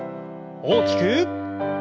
大きく。